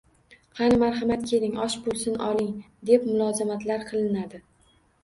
“Qani, marhamat, keling!”, “Osh bo‘lsin, oling!” deb mulozamatlar qilinadi.